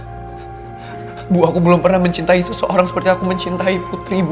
ibu aku belum pernah mencintai seseorang seperti aku mencintai putri bu